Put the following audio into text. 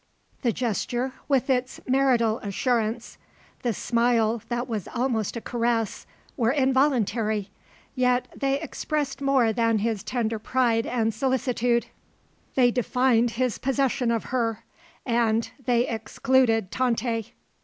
The gesture, with its marital assurance, the smile that was almost a caress, were involuntary; yet they expressed more than his tender pride and solicitude, they defined his possession of her, and they excluded Tante.